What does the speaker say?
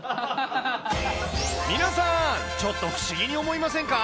皆さん、ちょっと不思議に思いませんか？